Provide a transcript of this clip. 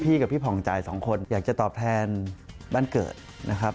กับพี่ผ่องจ่ายสองคนอยากจะตอบแทนบ้านเกิดนะครับ